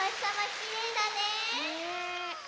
きれいだね。ね。